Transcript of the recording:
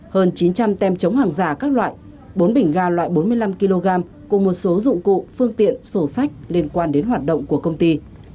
hơn chín trăm linh tem chống hàng giả các loại bốn bình ga loại bốn mươi năm kg cùng một số dụng cụ phương tiện sổ sách liên quan đến hoạt động của công ty